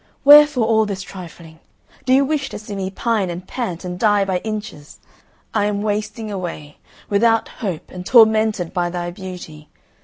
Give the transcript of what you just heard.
Wherefore all this trifling? Do you wish to see me pine and pant, and die by inches? I am wasting away; without hope, and tormented by thy beauty.